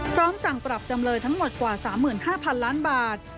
พร้อมสั่งปรับจำเลยทั้งหมดกว่า๓๕๐๐๐ล้านบาท